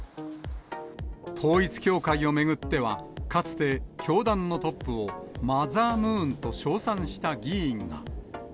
統一教会を巡っては、かつて教団のトップをマザームーンと称賛した議員が。